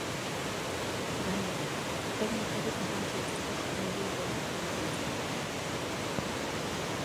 Gainera, teknikari garrantzi askoz handiagoa ematen zion.